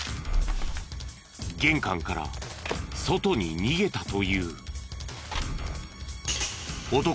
玄関から外に逃げたという。